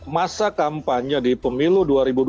masa kampanye di pemilu